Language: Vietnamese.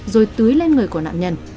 rồi tưới lên người của nạn nhân